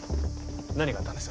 何があったんです？